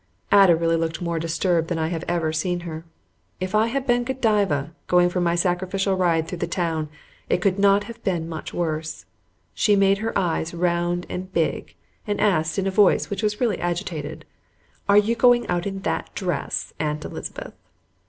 Ada really looked more disturbed than I have ever seen her. If I had been Godiva, going for my sacrificial ride through the town, it could not have been much worse. She made her eyes round and big, and asked, in a voice which was really agitated, "Are you going out in that dress. Aunt Elizabeth?"